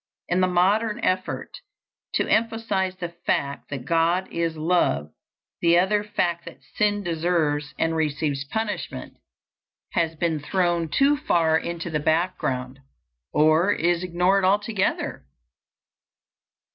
In the modern effort to emphasize the fact that God is love, the other fact that sin deserves and receives punishment has been thrown too far into the background, or is ignored altogether.